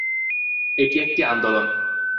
এটি একটি আন্দোলন।